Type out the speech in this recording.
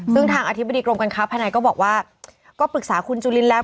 ซึ่งทางอธิบดีกรมการค้าภายในก็บอกว่าก็ปรึกษาคุณจุลินแล้ว